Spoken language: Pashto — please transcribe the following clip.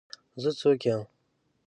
زه څوک یم؟